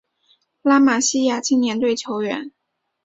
拉玛西亚青年队球员